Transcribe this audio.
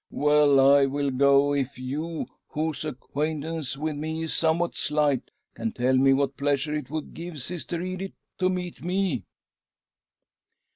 " Well, I will go, if you, whose ac quaintance with me is somewhat slight, can tell me what pleasure it would give Sister Edith to meet me."